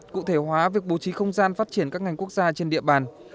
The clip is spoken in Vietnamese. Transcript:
cụ thể hóa việc bố trí không gian phát triển các ngành quốc gia trên địa bàn